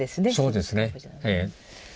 そうですね。